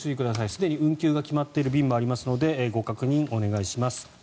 すでに運休が決まっている便もありますのでご確認をお願いします。